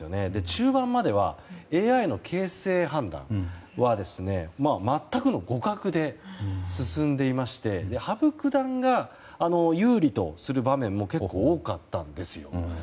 中盤まではＡＩの形勢判断は全くの互角で進んでいまして羽生九段が有利とする場面も結構多かったんですよ。